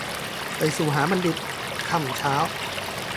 ไปสู่หาบัณทิต ค่ำเช้า